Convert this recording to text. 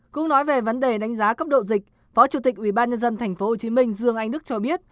cũng nói về vấn đề đánh giá cấp độ dịch phó chủ tịch ủy ban nhân dân tp hcm dương anh đức cho biết